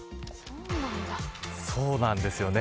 そうなんですよね。